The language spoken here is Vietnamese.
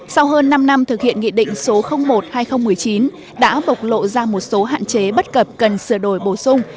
sau hơn năm năm thực hiện nghị định số một hai nghìn một mươi chín đã bộc lộ ra một số hạn chế bất cập cần sửa đổi bổ sung